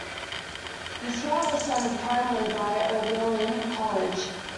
This route was funded primarily by Oberlin College.